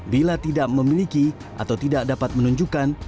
bila tidak memiliki atau tidak dapat menunjukkan